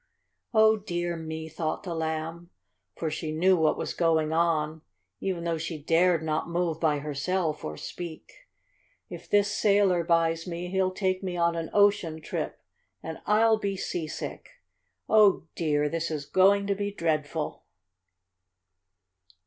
"Oh, dear me!" thought the Lamb, for she knew what was going on, even though she dared not move by herself, or speak, "if this sailor buys me he'll take me on an ocean trip and I'll be seasick! Oh, dear, this is going to be dreadful!"